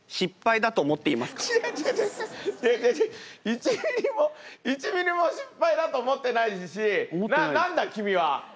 １ミリも１ミリも失敗だと思ってないし何だ君は！